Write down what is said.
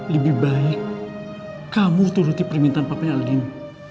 lebih baik kamu meneruskan permintaan papa aldino